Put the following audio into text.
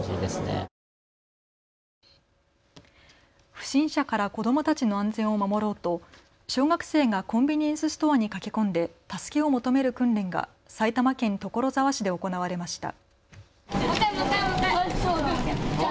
不審者から子どもたちの安全を守ろうと小学生がコンビニエンスストアに駆け込んで助けを求める訓練が埼玉県所沢市で行われました。